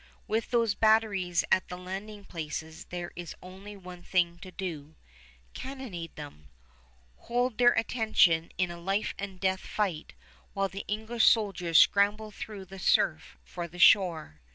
With those batteries at the landing places there is only one thing to do, cannonade them, hold their attention in a life and death fight while the English soldiers scramble through the surf for the shore.